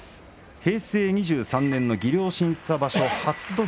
平成２３年の技量審査場所